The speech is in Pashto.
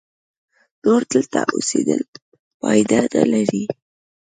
نور دلته اوسېدل پایده نه لري.